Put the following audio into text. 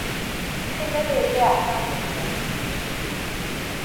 Tyn yr ede allan dipyn.